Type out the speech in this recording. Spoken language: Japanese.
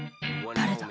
誰だ。